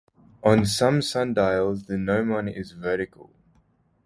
On some sundials, the gnomon is vertical.